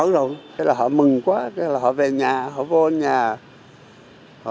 rất là nhanh